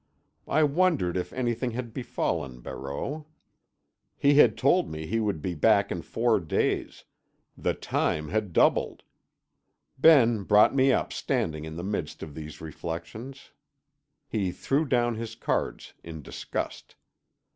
I wondered if anything had befallen Barreau. He had told me he would be back in four days—the time had doubled. Ben brought me up standing in the midst of these reflections. He threw down his cards in disgust.